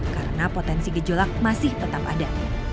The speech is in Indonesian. karena potensi gejolak masih tetap ada